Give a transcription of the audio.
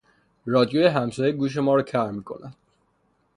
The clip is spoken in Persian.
رادیوی همسایه گوش ما را کر میکند.